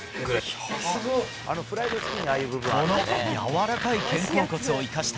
このやわらかい肩甲骨を生かした